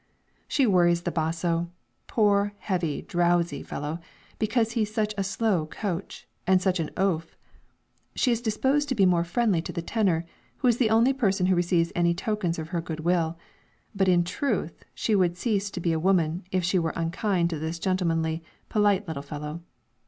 She worries the basso, poor, heavy, drowsy fellow, because he's such a slow coach and such an oaf. She is disposed to be more friendly to the tenor, who is the only person who receives any tokens of her good will; but in truth, she would cease to be a woman, if she were unkind to this gentlemanly, polite little fellow.